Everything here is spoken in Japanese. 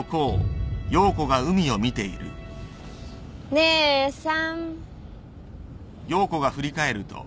・姉さん。